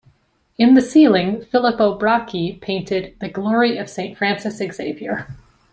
In the ceiling, Filippo Bracci painted "The Glory of Saint Francis Xavier".